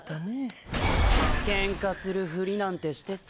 喧嘩するふりなんてしてさ。